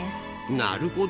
なるほど。